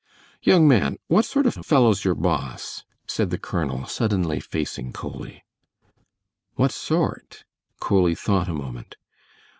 "Young man, what sort of a fellow's your boss?" said the colonel, suddenly facing Coley. "What sort?" Coley thought a moment.